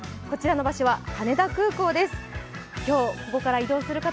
こちらの場所は羽田空港です。